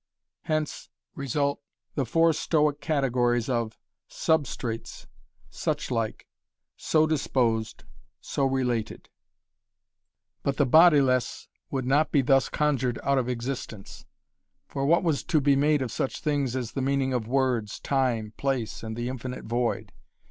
Hence result the four Stoic categories of substrates suchlike so disposed so related But the bodiless would not be thus conjured out of existence. For what was to be made of such things as the meaning of words, time, place, and the infinite void?